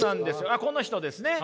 あっこの人ですね。